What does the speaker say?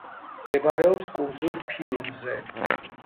მდებარეობს კუნძულ ფიუნზე.